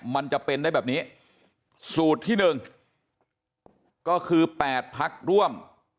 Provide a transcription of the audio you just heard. มันจะเป็นได้แบบนี้สูตรที่๑ก็คือ๘พักร่วม